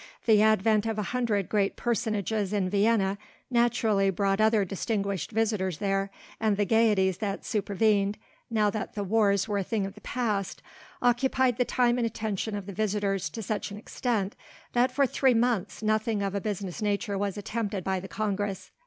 The advent of a hundred great personages in Vienna naturally brought other distinguished visitors there and the gayeties that supervened, now that the wars were a thing of the past, occupied the time and attention of the visitors to such an extent that for three months nothing of a business nature was attempted by the Congress.